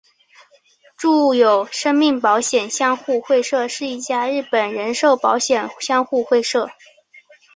住友生命保险相互会社是一家日本人寿保险相互会社。